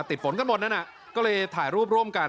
ติดฝนกันหมดนั่นน่ะก็เลยถ่ายรูปร่วมกัน